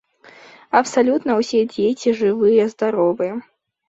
Абсалютна ўсе дзеці жывыя-здаровыя.